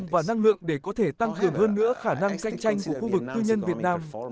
vực cư nhân việt nam